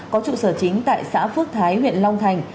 có trụ sở chính tại xã phước thái huyện long thành